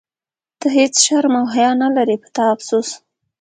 ته هیڅ شرم او حیا نه لرې، په تا افسوس.